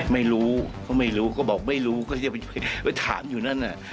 ไม่รู้เขาไม่รู้ก็บอกไม่รู้ก็จะไปถามอยู่นั่นน่ะ